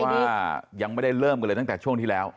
เพราะว่ายังไม่ได้เริ่มกันเลยตั้งแต่ช่วงที่แล้ว